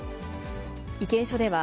意見書では、